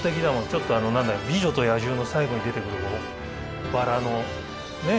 ちょっと「美女と野獣」の最後に出てくるバラのね